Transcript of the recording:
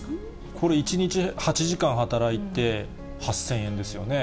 これ、１日８時間働いて、８０００円ですよね。